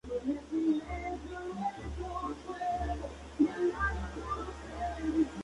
Unas veces representaban un tronco de árbol con sus ramas, otras veces una pilastra.